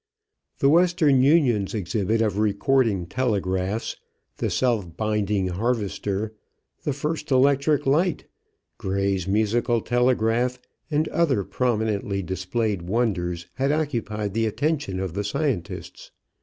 The Western Union's exhibit of recording telegraphs, the self binding harvester, the first electric light, Gray's musical telegraph, and other prominently displayed wonders had occupied the attention of the scientists.